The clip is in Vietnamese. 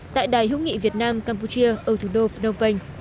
tại đài hữu nghị việt nam campuchia ở thủ đô phnom penh